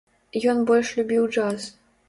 Ён больш любіў джаз.